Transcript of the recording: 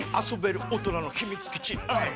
遊べる大人の秘密基地！